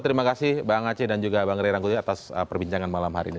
terima kasih bang aceh dan juga bang ray rangkuti atas perbincangan malam hari ini